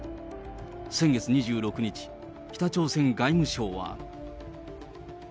先月２６日、北朝鮮外務省は。